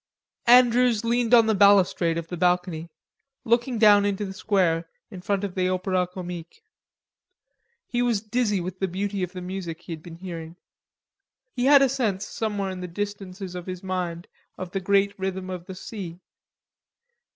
Andrews leaned on the balustrade of the balcony, looking down into the square in front of the Opera Comique. He was dizzy with the beauty of the music he had been hearing. He had a sense somewhere in the distances of his mind of the great rhythm of the sea.